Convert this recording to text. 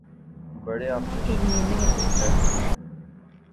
بڑے آپریشن کی ضرورت ہے